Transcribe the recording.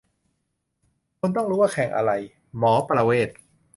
"คนต้องรู้ว่าเข่งคืออะไร : หมอประเวศ"